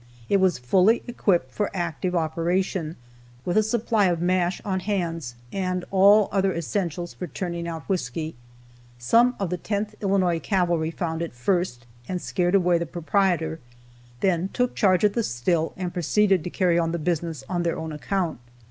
It was fully equipped for active operation, with a supply of "mash" on hands, and all other essentials for turning out whisky. Some of the 10th Illinois Cavalry found it first, and scared away the proprietor, then took charge of the still and proceeded to carry on the business on their own account.